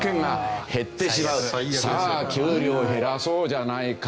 さあ給料を減らそうじゃないか。